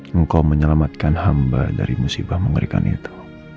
engkau menyelamatkan hamba dari musibah mengerikan itu